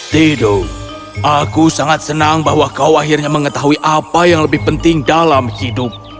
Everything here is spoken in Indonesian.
tido aku sangat senang bahwa kau akhirnya mengetahui apa yang lebih penting dalam hidup